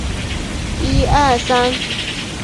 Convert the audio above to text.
艾恩多夫是德国下萨克森州的一个市镇。